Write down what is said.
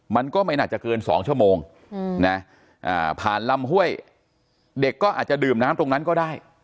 มันก็ไม่น่าจะเกิน๒ชั่วโมงผ่านลำห้วยเด็กก็อาจจะดื่มน้ำตรงนั้นก็ได้